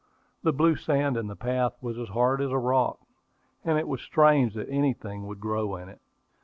The blue sand in the path was as hard as a rock, and it was strange that anything would grow in it.